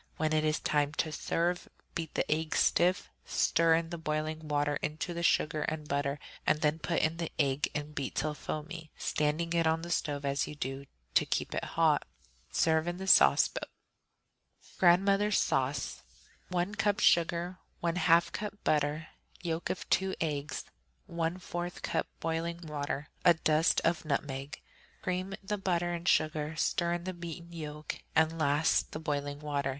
When it is time to serve, beat the egg stiff, stir the boiling water into the sugar and butter, and then put in the egg and beat till foamy, standing it on the stove as you do so, to keep it hot. Serve in the sauce boat. Grandmother's Sauce 1 cup sugar. 1/2 cup butter. Yolks of two eggs. 1/4 cup boiling water. A dusting of nutmeg. Cream the butter and sugar, stir in the beaten yolk, and last the boiling water.